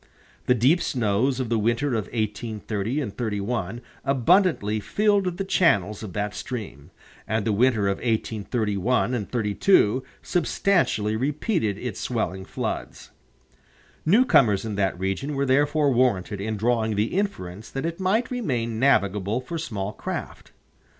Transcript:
The deep snows of the winter of 1830 31 abundantly filled the channels of that stream, and the winter of 1831 32 substantially repeated its swelling floods. Newcomers in that region were therefore warranted in drawing the inference that it might remain navigable for small craft.